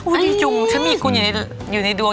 อุ้ยดีจุงถ้ามีกุลอยู่ในดวง